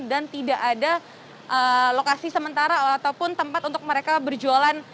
dan tidak ada lokasi sementara ataupun tempat untuk mereka berjualan